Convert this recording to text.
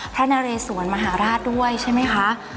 นเรสวนมหาราชด้วยใช่ไหมคะ